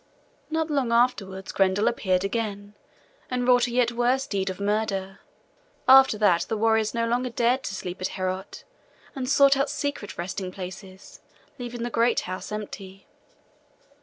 Not long afterwards Grendel again appeared, and wrought a yet worse deed of murder. After that the warriors no longer dared to sleep at Heorot, but sought out secret resting places, leaving the great house empty.